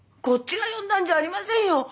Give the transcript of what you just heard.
こっちが呼んだんじゃありませんよ。